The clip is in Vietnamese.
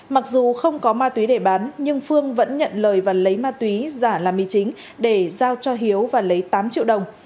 mặc dù không có ma túy để bán nhưng phương vẫn nhận lời và lấy ma túy giả là một mươi chín để giao cho hiếu và lấy tám triệu đồng